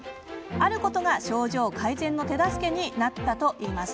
あることが症状改善の手助けになったといいます。